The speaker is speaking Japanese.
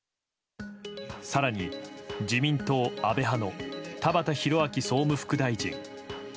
更に、自民党安倍派の田畑裕明総務副大臣。